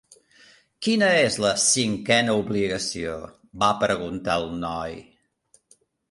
"Quina és la cinquena obligació?" va preguntar el noi.